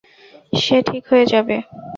সে ঠিক হয়ে যাবে।